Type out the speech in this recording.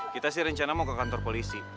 kita sih rencana mau ke kantor polisi